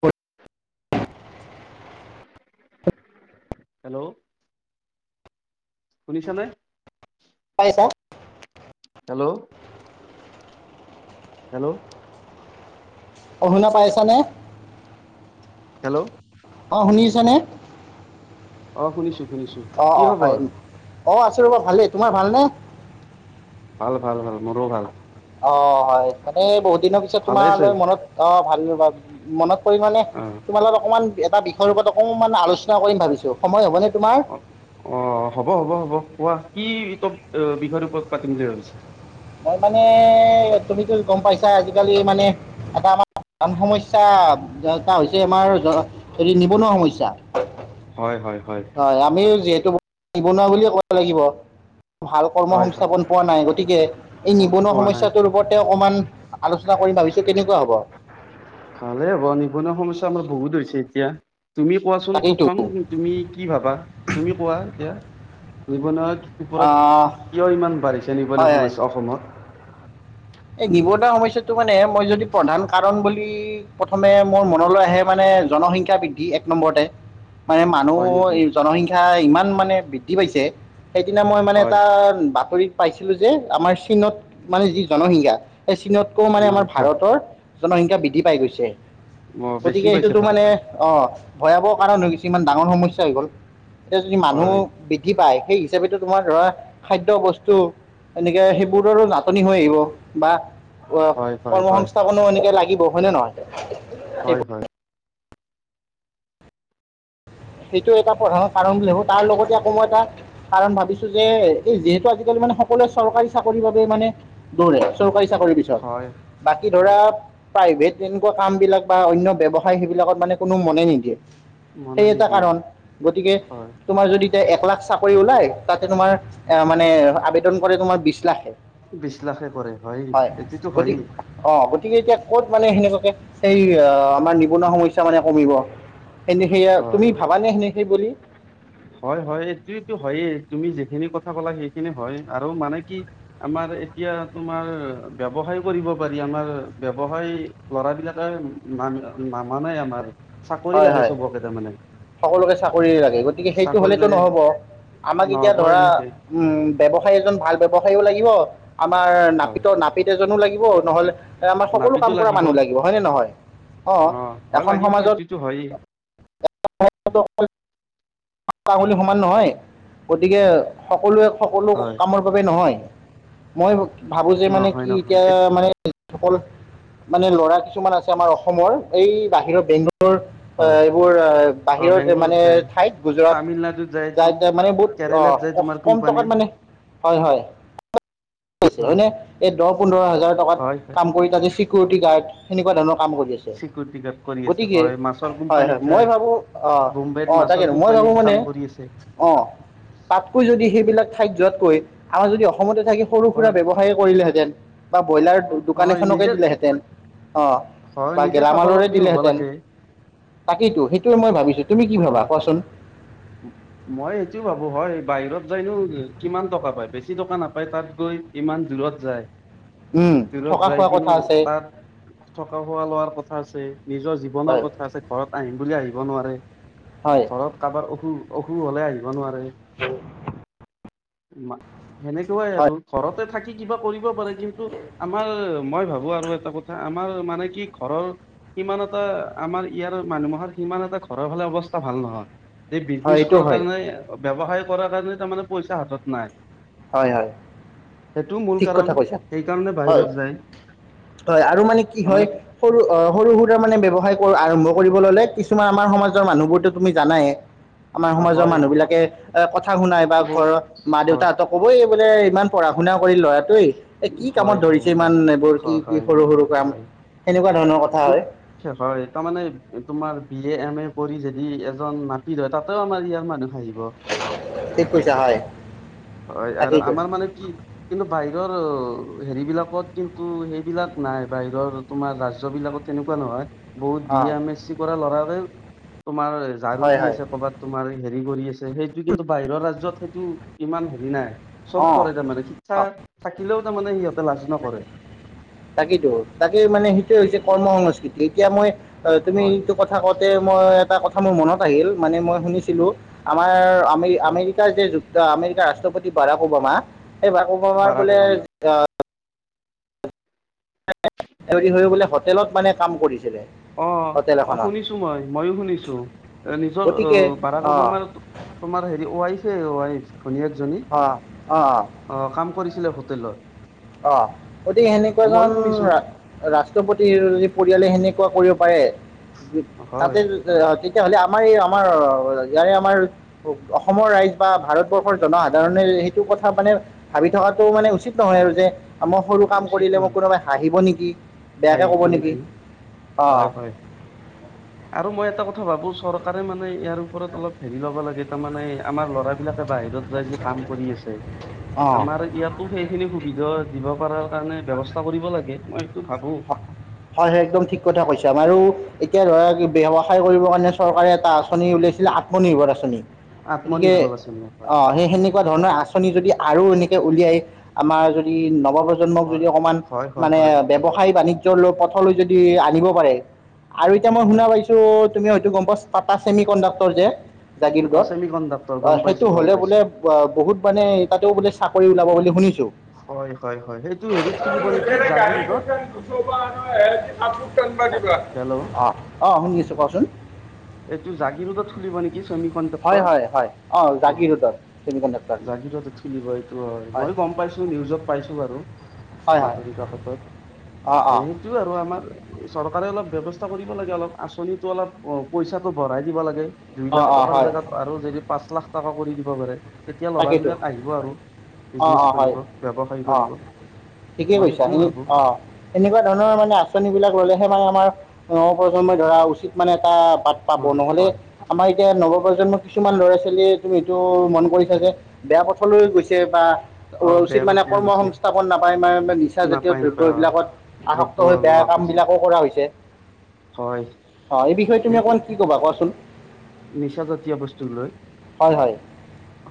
হয়। হেল্ল' শুনিছ নে? পাইছা হেল্ল' হেল্ল' অশুনা পাইছানে? হেল্ল' অ' শুনিছ নে অ' শুনিছো। শুনিছো অ' কি অ' হয় খবৰ? অ আছো ৰব ভালেই তোমাৰ ভালনেে ভাল ভাল ভাল মোৰো ভাল অ হয়। মানে বহুত দিনৰ পিছত ভালে আছে তোমালৈ মনত অ ভাবিলো ভাব মনত পৰি মানে অ তোমাৰ লগত অকমান এটা [unintelligible] অকণমান আলোচনা কৰিম ভাবিছো, সময় হ'ব নে? অঁ অ হ'ব হ'ব হ'ব কোৱা কি ত বিষয়ৰ ওপৰত পাতিম বুলি ভাবিছে মই মানে তুমি কিো গম পাইছা আজিকালি মানে এটা আমাৰন সমস্্যা এটা হৈছে আমাৰ জ হেৰি নিবনুৱা সমস্যা। হয় হয় হয় আমি যিহেতু নিবনুৱা বুলিয়ে ক'ব লাগিব ভাল কৰ্ম হয় হয় সংস্থাপন পোৱা নাই গতিকে এই নিবনুৱা পোৱা নাই সমস্যাটোৰ ওপৰতে অকমান আলোচনা কৰিম ভাবিছো কেনেকুৱা হ'ব কালে হ'ব নিবনুৱা সমস্যা আমাৰ বহুত হৈছে এতিয়া তুমি কোৱাচোন তাকেইতো প্ৰথম তুমি কি ভাবা তুমি কোৱা এতিয়া জীৱনত ওপৰত আহ কিয় ইমান বাঢ়িছে নিবনুৱা হয় হয় সমস্যা অসমত? এই নিবনুৱা সমস্াটো মানে মই যদি প্ৰধান কাৰণ বুলি প্ৰথমে মোৰ মনলৈ আহে মানে জনসংখ্য্া বৃদ্ধি এক নম্বৰতে মানে মানুহ হয় নেকি এই জনসংখ্য্া ইমান মানে বৃদ্ধি পাইছে সেইদিনা মই মানে হয় এটাআ কৰি পাইছিলো যে আমাৰ চীনত মানে যি জনসিংসা চীনতকৈ মানে আমাৰ জনসংখ্যা ভাৰতৰ জনসংখ্যা বৃদ্ধি পাই গৈছে। বেছি গতিকে পাইছে সেইটোতো ভাৰতত মানে অ ভয়াব কাৰণ হয় কিছুমান ডাঙৰ সমস্যা আহ গ'ল এতিয়া যদি মানুহ হয় বৃদ্ধি পায় সেই হিচাপেটো তোমাৰ ধৰা খাদ্য বস্তু এনেকে সেইবোৰৰো নাটনি হৈ আহিব। বাহ অ, হয় হয় কৰ্ম হয় সংস্থাপনো এনেকে লাগিব হয় নে নহয়? সেই হয় হয় সেইটো এটা প্ৰধানৰ কাৰণ বুলি ভাবো তাৰ লগতে আকৌ মই এটা কাৰণ ভাবিছো যে এই যিহেতু আজিকালি মানে সকলোৱে চৰকাৰী চাকৰিৰ বাবে মানে দৌৰে চৰকাৰী চাকৰি হয় পিছত। বাকী হয় ধৰাআ প্ৰাইভেট তেনেকুৱা কাম বিলাক বা অন্য ব্যৱসায় সেইবিলাকত মানে কোনো মনে নিদিয়ে মন সেই ন [unintelligible] এটা কাৰণ। গতিকে তোমাৰ যদি এক লাখ চাকৰি ওলাই তাতে তোমাৰ এ মানে আবেদন কৰে তোমাৰ বিশ লাখে বিশ লাখে কৰে হয় এইটোতো হয় ঠিক এতিয়া ক'ত মানে সেনেকুৱাকে সেই আমাৰ নিবনুৱা সমস্যা মানে কমিব এনে সেয়া হয় তুমি ভাবানে হেনেকে বুলি? হয় হয়, এইটোয়েটো হয়েই। তুমি যিখিনি কথা কলা সেইখিনি হয় আৰু মানে কি আমাৰ এতিয়া তোমাৰ ব্যৱসায় কৰিব পাৰি আমাৰ ব্যৱসায় লৰাবলাকে নাম নামানাই আমাৰ। চাকৰি হয় লাগে হয় চবকে তাৰমানে সকলোকে চাকৰিয়ে লাগে গতিকে সেইটো চাকৰি হলেতো লাগে নহব আমাক এতিয়া নহ'ব ধৰা এনেকে উম ব্যৱসায়ী এজন ভাল ব্যৱসায়ীও লাগিব। আমাৰ হয় নাপিতৰ, নাপিত এজনো লাগি নহলে আমাৰ সকলো কাম কৰা মানুহ লাগিব হয় নে নহয় অ এখন সমাজত সেইটো হয়েই। পাঁচটা আঙুলি সমান নহয় গতিকে সকলোৱে সকলো হয় কামৰ বাবে নহয়। মই ভাবো যে মানে নহয় কি নহয় এতিয়া এত- মানে মানে লৰা কিছুমান আছে আমাৰ অসমৰ এই বাহিৰৰ বেংগল বোৰ হয় এইবোৰ অ বাহিৰত বেংগলৰুত মানে যায় ঠাইত গুজৰাট তামিলনাডুত যায় তো যাই যাই মানে বহুত কেৰেলাত যায় অ তোমাৰ কম কোম্পানী টকাত মানে হয় হয় হয় মানে এই দহ পোন্ধৰ হাজৰ হাজাৰ টকাত হয় হয় কাম কৰি ততে চিকিউৰিটি গাৰ্ড এনেকুৱ ধৰ স্বীকৰতি গাৰ্ড কৰোঁ আছোঁ হয় হয় মই ভাবো অ বোম্বেত অ মাছৰ তাকেনো মই ভাবো কোম্পানীত মানে কাম কৰি আছে অ তাতকৈ যদি সেই বিলাক সেই বিলাক ঠাইত যোৱাতকৈ আমাৰ যদি অসমতে থাকি সৰু-সুৰা হয় ব্যৱসায়ে কৰিলেহেতেন। বা ব্ৰইলাৰ অ দোকান হয় এখনকে নিজে দিলেহেঁতেন। অ হয় বা নিজে গেলামালৰে স্বাৱলম্বী হ'ব দিলেহেঁতেন। লাগে তাকেইতো সেইটোৱে মই ভাবিছো তুমি কি অ ভাবা কোৱাচোন? তাইনো কিমান টকা পাই বেছি টকা নাপায় তাত গৈ ইমান দূৰত যায়। উম দূৰত থকা যাই খোৱা কিনু কথা আছে তাত থকা খোৱা লোৱাৰ কথা আছে। নিজৰ জীৱনৰ হয় কথা আছে, ঘৰত আহিম বুলি আহি ব নোৱাৰে। হয় ঘৰত কাৰোবাৰ অসু অসুখ হ'লে আহিব নোৱাৰে। হয়। সেনেকুৱাই হয় আৰু ঘৰতে থাকি কিবা কৰিব পাৰে কিন্তু আমাৰ মই ভাবো আৰু এটা কথা আমাৰ মানে কি ঘৰৰ, সিমান এটা আমাৰ ইয়াৰ মানুহৰ সিমান এটা ঘৰৰ ফালে অৱস্থা ভাল নহয়। এই হয় বিজনেছ সেইটো কৰ হয় কাৰণে ব্যৱসায় কৰাৰ কাৰণে তাৰমানে পইচা হাতত নাই। হয় হয়। সেইটো মূল ঠিক কাৰণ, কথা কৈছা সেইকাৰণে হয় বাহিৰত যায় হয় আৰু মানে কি হয়, তাৰমানে সৰু সৰু সুৰা মানে ব্যৱসায় আৰম্ভ কৰিব ল'লে, কিছুমান আমাৰ সমাজৰ মানুহবোৰতো তুমি জানাইে। আমাৰ অ' সমাজৰ হয় মানুহ বিলাকে [unintelligible] কথা শুনাই বা বহুত ঘৰৰ মা হয় দেউতাহতক কবই বোলে ইমান পঢ় শুনা কৰি ল'ৰাটোৱেই এ কি হয় কামত হয় ধৰিছে ইমান হয় এইবোৰ কি হয় কি হয় সৰু সৰু কাম হয় সেনেকুৱা ধৰণৰ কথা কি হয় হয় তাৰমানে তোমাৰ বি এ এম এ কৰি যদি এজন নাপিত হয়, তাতেও আমাৰ ইয়াৰ মানুহ আহিব। ঠিক কৈছা হয় হয় আৰু তাকেইতো আমাৰ মানে কি কিন্তু বাই সেৰি বিলাকত কিন্তু সেইবিলাক নাই। বাহিৰৰ তোমাৰ [inaudible] জ বিলাকত তেনেকুৱা নহয়। বহুত বি অঁ এম এছ চি কৰা ল'ৰা উ [unintelligible] তোমাৰ ঝাৰু হয় দি হয় আছে ক'ৰবাত তোমাৰ হেৰীটো। হেৰি কৰি আছে সেইটো কিন্তু বাহিৰৰ ৰাজ্যত সেইটো ইমান হেৰি নাই। চব অঁ কৰে তাৰমানে শিক্ষা থাকিলেও তাৰমানে সিহঁতে লাজ ন। কৰে তাকেইেতো তাকেই মানে সেইটোৱে হৈছে কৰ্ম সংস্কৃতি এতিয়া মই অ তুমি হয় এইটো কথা কওঁতে মই এটা কথা মোৰ মনত আহিল মানে মই শুনিছিলো আমাৰ আমেৰি হয় আমেৰিকাৰ যে যুক্ত আমেৰিকাৰ ৰাষ্ট্ৰপতি বাৰাক ওবামা এই বাৰাক ওবামাৰ বাৰাক বোলে ওবামা সি হৈ বোলে হোটেলত মানে কাম কৰিছিলে অ হোটেল অ এখনত শুনিছো মই মইও শুনিছো এ নিজৰ গতিকে ভাড়া বাৰাক অঁ ওবামাৰ আমাৰ তোমাৰ হেৰি ৱাইছে ৱাই ভনী একজনী অঁ অঁ কাম কৰিছিলে ল অ গতিকে সেনেকোৱা এ জন শুনিছো ৰা ৰাষ্ট্ৰপতি পৰিয়ালে সেনেকোৱা কৰিব পায় তাতে হয় তেতিয়াহ'লে আমাৰ এই আমাৰ ইয়াৰে আমাৰ অসমৰ ৰাইজ বা ভাৰতবৰ্ষৰ জনসাধাৰণে সেইটো কথা মানে ভাবি থকাটো মানে উচিত নহয় আৰু যে মই অ সৰু কাম উচিত কৰিলে মই নহয় কোনোবাই হাঁহিব নেকি কি খাই ম নে কি অঁ হয় হয় আৰু মই এটা ক ভো চৰকাৰে মানে ইয়াৰ ওপৰত অলপ হেৰি ল'ব লাগে তাৰে আমাৰ ল'ৰাবিলাক বাহিৰত যাই কিনে কাম কৰি আছে অঁ আমাৰ ইয়াতো সেইখিনি সুবিধা দিব পাৰা কাৰণে ব্যৱস্থা কৰিব লাগে মই সেটো ভাবো হয় হয় একদম ঠিক কথা কৈছা আৰু এতিয়া ধৰা ব্যৱসায় কৰিবৰ কাৰণে চৰকাৰে এটা আঁচনি উলাইছিল আত্মনিৰ্ভৰ আঁচনি গতিকে আত্মনিৰ্ভৰ আঁচনি হয় অ সেই সেনেকোৱা ধৰণৰ আচনি যদি আ আৰু এনেকে উলিয়াই আমাৰ যদি নৱপ্ৰজন্ম হয় যদি অকমান হয় হয় মানে ব হয় ব্যয়ৱসায় বাণিজ্য পথলৈ যদি আনিব পাৰে আৰু এতিয়া মই শুনা হয় পাইছো তুমি হয়তো গম পাটা চছেমি কণ্ডাক্টৰ যে জাগিৰ অ গত ছেমি কণ্ডাক্টৰ গম সেইটো পাইছো গম হলে বোলে পাইছো বহুত মানে তাও বোলে চাকৰি ওলাব বুলি শুনিছো। হয় হয় [unintelligible] হেইত হেল্ল' [unintelligible] অ অ শুনিছো কোৱাচোন এইটো জাগিৰোদত খুলিব নেকি চেমি হয় কণ্ডেক্টৰ হয় হয় অঁ অ জাগিৰোডত ছেমি কণ্ডাক্টৰ জাগিৰোদত খুলিব এইটো হয় মইয়ো গম পাইছোঁ নিউজত পাইছোঁ বাৰু হয় হয় বাতৰি কাকতত অঁ অঁ সেইটো আৰু আমাৰ চৰকাৰে অলপ ব্যৱস্থা কৰিব লাগে অলপ আঁচনিটো অলপ অ পইচাটো ভৰাই দিব লাগে দুই লাখ অঁ অঁ টকাৰ হয় জেগাত আৰু যদি পাঁচ লাখ টকা কৰি দিব পাৰে তেতিয়া তাকেইতো ল'ৰাবিলাক আহিব আৰু অ বিজনেছ অ হয় কৰিব ব্যৱসায় অ কৰিব ঠিকেই মই কৈছা সেইটোও ভাবো অ এনেকুৱা ধৰণৰ মানে আচনি বিলাক ললেহে মানে আমাৰ নৱপ্ৰজন্ম ধৰা উচিত মানে এটা বাট পাব হয় নহলে হয় আমাৰ এতিয়া নৱপ্ৰজন্মৰ কিছুমান ল'ৰা ছোৱালীয়ে তুমি এইটো মন কৰি বেয়া পথলৈ গৈছে বা অ উচিত বেয়া মানে পথলৈ কৰ্ম গৈছে সংস্থাপন নাপায় মানে নিচা জাতীয় নাপায় নাপায় অ দ্ৰব্যবিলাকত আসক্ত দ্ৰব্য হৈ বেয়া লোৱা কাম কৰিছে বিলাকো কৰা হৈছে। হয় অ' এই বিষয়ে তুমি অকনমান কি কবা কোৱাচোন? নিচা জাতীয় বস্তু লয়। হয় হয়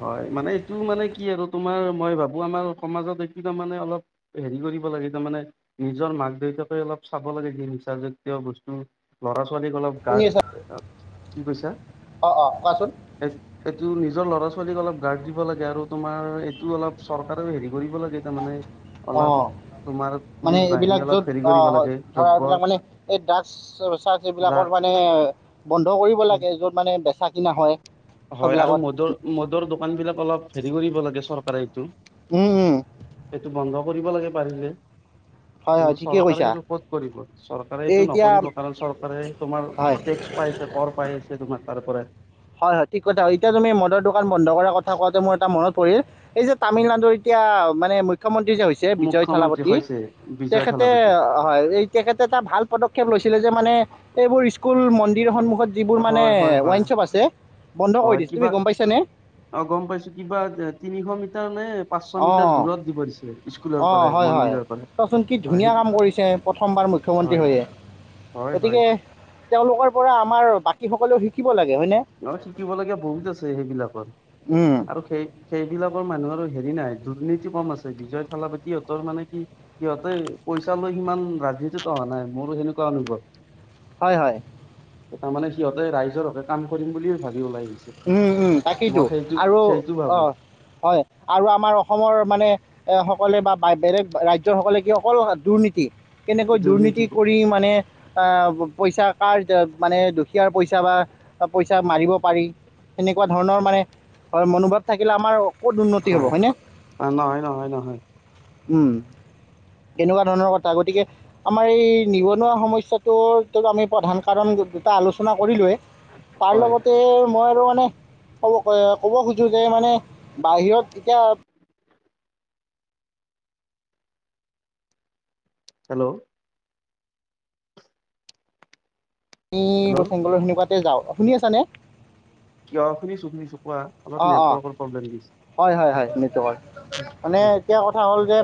হয় মানে এইটো মানে কি কি আৰু তোমাৰ মই ভাবো আমাৰ সমাজত একো তাৰ মানে অলপ হেৰি কৰিব লাগে তাৰমানে নিজৰ মাক দেউতাকে অলপ চাব লাগে নিচা জাতীয় বস্তু লৰা ছোৱালীক অলপ কাৰ্ড, কি কৈছা? অ' অ' কোৱাচোন। এইটো নিজৰ ল'ৰা ছোৱালীক অলপ গাৰ্ড দিব লাগে আৰু তোমাৰ এইটো অলপ চৰকাৰেও হেৰি কৰিব লাগে তাৰমানে অলপ অু' তোমাৰ মানে পুলিচ বাহিনী এইবিলাক অলপ য'ত হেৰি কৰিব আহ লাগে ধৰা দ্ৰব্য এইবিলাক মানে এই ড্ৰাগছ চাগছ এইবিলাকৰ ড্ৰাগছ মানে বন্ধ কৰিব লাগে য'ত মানে বেছা কিনা হয়। হয় আৰু সেইবিলাকত মদ মদৰ দোকান বিলাক অলপ হেৰি কৰিব লাগে চৰকাৰে এইটো উম উম এইটো বন্ধ কৰিব লাগে পাৰিলে। হয় কিন্তু ঠিকেই চৰকাৰে কৈছা এইটো কত কৰিব চৰকাৰে এই এইটো এতিয়া নকৰিব কাৰণ চৰকাৰে তোমাৰ হয় টেক্স পাই আছে, কৰ পাই আছে, তোমাৰ। তাৰপৰাই হয় হয় ঠিক কথা হয় এতিয়া তুমি মদৰ দোকান বন্ধ কৰাৰ কথা কোৱাতে মোৰ এটা মনত পৰিল, এই যে তামিলনাডুৰ এতিয়া মানে মূ মূখ্য মন্ত্ৰী যে হৈছে বিজয় মুখ্যমন্ত্ৰী থালাপতি হৈছে বিজয় তেখেতে থালাপতি হয় এই তেখেতে এটা ভাল পদক্ষেপ লৈছিলে যে মানে এইবোৰ স্কুল মন্দিৰ সন্মু ক'ত যিবোৰ মানে হয় হয় ৱাইন হয় শ্বপ আছে, বন্ধ কৰি হয় দিছে তুমি কিবা গম পাইছানে অ গম পাইছো কিবা তিনিশ মিটাৰ মানে অঁ অ অঁ পৰাই হয় হয় মন্দিৰৰ পৰাই চোৱাচোন কি হয় ধুনীয়া সেই কাম কৰিছে প্ৰথমবাৰ মুখ্যমন্ত্ৰী হয় হৈয়ে, হয় হয় গতিকে তেওঁলোকৰ পৰা আমাৰ বাকী সকলেও শিকিব লাগে। হয়নে অ শিকিব লগীয়া বহুত আছে সেইবিলাকত উম, আৰু সেই সেইবিলাকৰ মানুহৰ হেৰি নাই দুৰ্নীতি কম আছে বিজয় থালাপতি হঁতৰ মানে কি সিহঁতে পইচা লৈ সিমান ৰাজনীতিত কৰা নাই মোৰ সেনেকুৱা অনুভৱ। হয় হয়। তাৰমানে সিহঁতে ৰাইজৰ বাবে কাম কৰিম বুলিয়ে ভাবি ওলাই আহি উম উম তাকেই টো আৰু সেইটো অ ভাবো হয় আৰু আমাৰ অসমৰ মানে সকলে বা বেলেগ ৰাজ্যৰ সকলে কি অকল দুৰ্নীতি। কেনেকৈ দুৰ্নীতি কৰি মানে আহ পইচা কাৰ মানে দুখীয়াৰ পইচা বা পইচা মাৰিব পাৰি এনেকুৱা ধৰণৰ মানে মনোভাৱ থাকিলে আমাৰ অ হয়, নহয় নহয় নহয়। উম, এনেকুৱা ধৰণৰ কথা, গতিকে আমাৰ এই নিবনুৱা সমস্যাটোৰ আমি প্ৰধান কাৰণ এটা আলোচনা কৰিলোৱে তাৰ হয় লগতে মানে কব ক'ব খোজো যে মানে বাহিৰত এতিয়া হেল্ল'। ব হেল্ল' চেংগলৰ সেনেকুৱা যাওঁ শুনি আছনে? কিয় শুনিছোঁ শুনিছোঁ। পোৱা, অলপ অঁ নেটৱৰ্কৰ প্ৰব্লেম দিছে। হয় হয় হয় নেটৱৰ্কৰ। মানে এতিয়া কথা হ'ল যে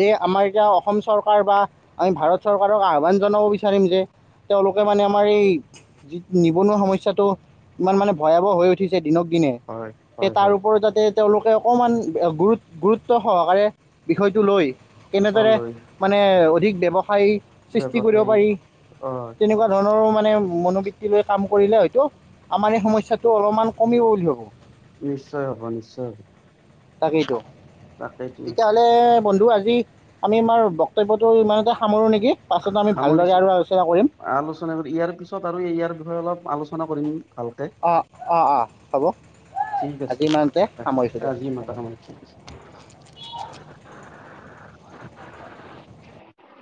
এই আমাৰ এতিয়া অসম চৰকাৰ বা, আমি ভাৰত চৰকাৰক আহ্বান জনাব বিচাৰিম যে তেওঁলোকে মানে আমাৰ এই নি নিবনুৱা সমস্যাটো ইমান মানে ভয়াৱহ হৈ উঠিছে দিনক কিনে হয় সেই হয় তাৰ হয় ওপৰত, যাতে তেওঁলোকে অকণমান গুৰুত গুৰুত্ব সহকাৰে বিষয়টো লৈ অ কেনেদৰে লৈ মানে অধিক ব্যৱসায়ী সৃষ্টি কৰিব ব্যৱসায়ী পাৰি, অ তেনেকুৱা ধৰণৰো মানে মনোবৃত্তি লৈ কাম কৰিলে হয়টো আমাৰ এই সমস্যাটো অলপমান কমিব বুলি ভবো। নিশ্চয় হ'ব নিশ্চয়। তাকেই তো। তাকেইতো তেতিয়াহলে, বন্ধু আজি আমি আমাৰ বক্তব্যটো ইমানতে সামৰো নেক সামৰিছো, আলোচনা কৰি ইয়াৰ পিছত আৰু ইয়াৰ বিষয়ে অলপ আলোচনা কৰিম। ভালকে, অঁ অঁ অঁ হ'ব ঠিক আজি আছে ইমানতে সামৰিছোঁ ৰাখিছো। আজি ইমানতে দিয়া সামৰিছো।